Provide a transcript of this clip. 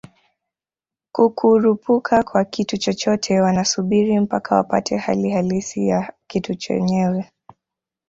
kukurupuka kwa kitu chochote wanasubiri mpaka wapate hali halisi ya kitu chenyewe